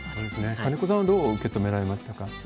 金子さんはどう受け止められましたか？